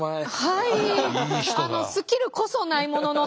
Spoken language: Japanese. はい。